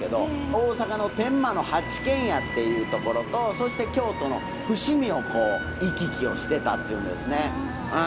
大阪の天満の八軒家っていう所とそして京都の伏見をこう行き来をしてたっていうですねうん。